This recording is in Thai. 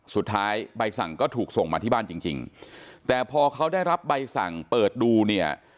ใบสั่งก็ถูกส่งมาที่บ้านจริงจริงแต่พอเขาได้รับใบสั่งเปิดดูเนี่ย